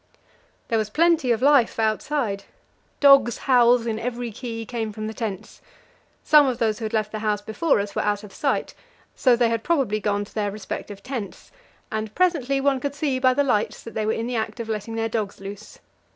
There was plenty of life outside; dogs' howls in every key came from the tents. Some of those who had left the house before us were out of sight, so they had probably gone to their respective tents, and presently one could see by the lights that they were in the act of letting their dogs loose.